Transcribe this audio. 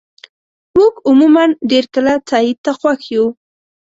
موږ عموماً ډېر کله تایید ته خوښ یو.